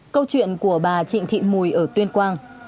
câu chuyện của bà trịnh thị mùi ở tuyên quang